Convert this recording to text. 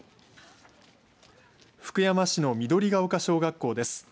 福山市の緑丘小学校です。